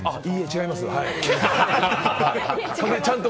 違います！